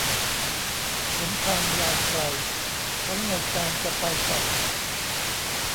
หนทางยาวไกล ทั้งในการจะไปต่อ